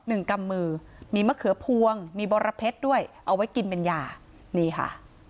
กำมือมีมะเขือพวงมีบรเพชรด้วยเอาไว้กินเป็นยานี่ค่ะ